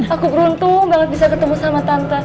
aku beruntung banget bisa ketemu sama tante